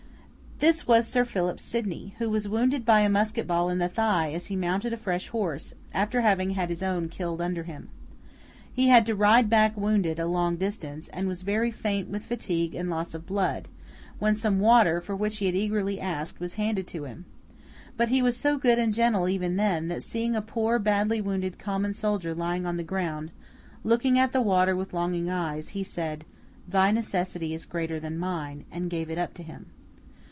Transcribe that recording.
This was Sir Philip Sidney, who was wounded by a musket ball in the thigh as he mounted a fresh horse, after having had his own killed under him. He had to ride back wounded, a long distance, and was very faint with fatigue and loss of blood, when some water, for which he had eagerly asked, was handed to him. But he was so good and gentle even then, that seeing a poor badly wounded common soldier lying on the ground, looking at the water with longing eyes, he said, 'Thy necessity is greater than mine,' and gave it up to him.